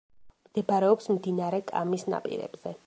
მდებარეობს მდინარე კამის ნაპირებზე.